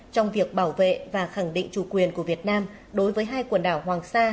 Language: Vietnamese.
trong việc bảo vệ và khẳng định chủ quyền của việt nam đối với hai quần đảo hoàng sa